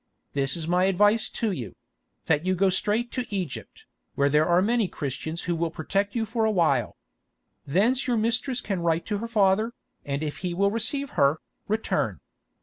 This is my advice to you—that you go straight to Egypt, where there are many Christians who will protect you for a while. Thence your mistress can write to her father, and if he will receive her, return.